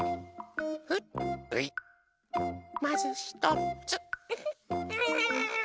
まずひとつ。